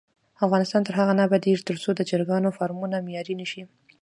افغانستان تر هغو نه ابادیږي، ترڅو د چرګانو فارمونه معیاري نشي.